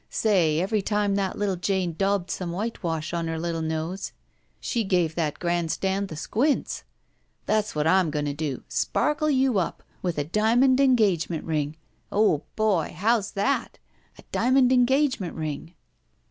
Say, every time that little Jane daubed some whitewash on her little nosie she gave that grand stand the squints. That's what I'm going to do. Sparkle you up! With a diamond engagement ring. Oh boy! How's that? A dia mond engagement ring!"